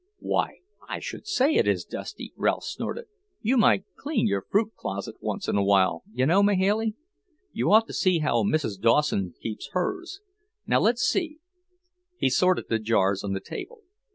"Well, I should say it is dusty!" Ralph snorted. "You might clean your fruit closet once in awhile, you know, Mahailey. You ought to see how Mrs. Dawson keeps hers. Now, let's see." He sorted the jars on the table.